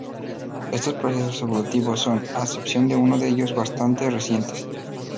Estos procesos evolutivos son, a excepción de uno de ellos, bastante recientes.